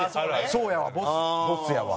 そうやわボスボスやわ。